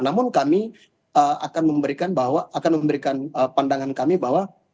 namun kami akan memberikan pandangan kami bahwa